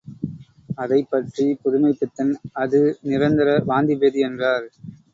அதைப் பற்றி புதுமைப்பித்தன், அது நிரந்தர வாந்திபேதி என்றார்.